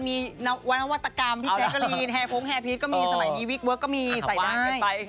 มีวันวัตกรรมพี่แจ๊กก็ลีนแฮร์โพงแฮร์พีชก็มีสมัยดีวิกเวิร์กก็มีใส่ได้